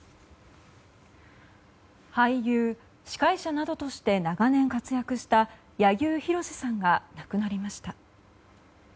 俳優、司会者などとして長年活躍した柳生博さんが亡くなりました。